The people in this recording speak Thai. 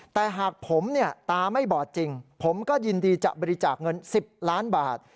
แต่หากผมเนี่ยตาไม่บอดจริงผมก็ยินดีจะบริจาคเงิน๑๐ล้านบาท